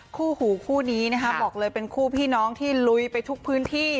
คู่หูคู่นี้นะคะบอกเลยเป็นคู่พี่น้องที่ลุยไปทุกพื้นที่